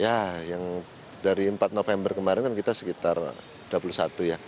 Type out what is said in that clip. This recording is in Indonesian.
ya yang dari empat november kemarin kan kita sekitar dua puluh satu ya